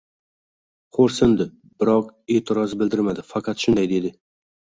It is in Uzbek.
xo‘rsindi, biroq e’tiroz bildirmadi. Faqat shunday dedi: